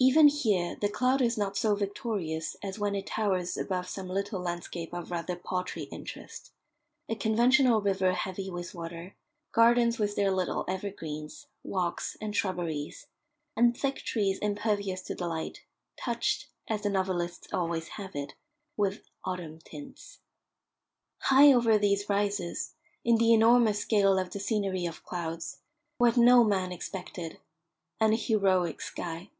Even here the cloud is not so victorious as when it towers above some little landscape of rather paltry interest a conventional river heavy with water, gardens with their little evergreens, walks, and shrubberies; and thick trees impervious to the light, touched, as the novelists always have it, with "autumn tints." High over these rises, in the enormous scale of the scenery of clouds, what no man expected an heroic sky.